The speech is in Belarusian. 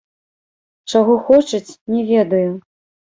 Чаго хочуць, не ведаю.